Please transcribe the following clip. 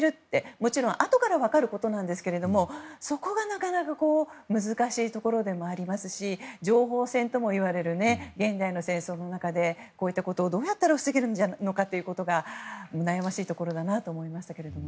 もちろんあとから分かることなんですけれどもそこがなかなか難しいところでもありますし情報戦ともいわれる現代の戦争の中でこういったことをどうやったら防げるのかというのが悩ましいところだと思いました。